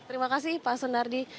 terima kasih pak sundardi